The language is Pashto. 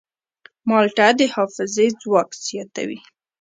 مالټه د حافظې ځواک زیاتوي.